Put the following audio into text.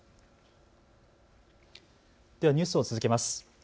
ニュースを続けます。